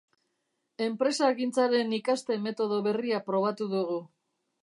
Enpresagintzaren ikaste metodo berria probatu dugu.